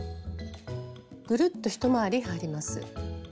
ぐるっと一回り貼ります。